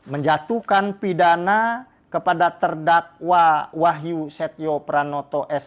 menjatuhkan pidana kepada terdakwa wahyu setio peran noto sh sik mik